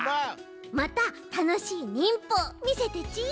またたのしい忍法みせてち。